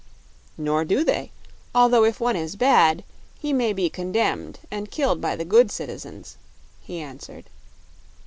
"Nor do they; although if one is bad, he may be condemned and killed by the good citizens," he answered.